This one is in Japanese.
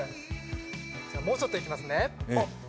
もうちょっといきますね。